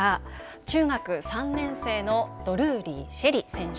中学３年生のドルーリー朱瑛里選手。